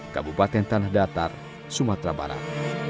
kabupaten tanah datar sumatera barat